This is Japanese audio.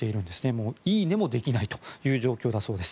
もう「いいね」もできないという状況だそうです。